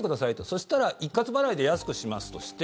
そしたら一括払いで安くしますとして。